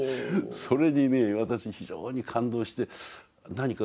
それにね私非常に感動して何かね